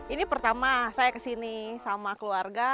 ini pertama saya kesini sama keluarga